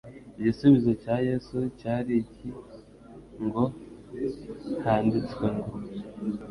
igisubizo cya Yesu cyari iki ngo: "handitswe ngo".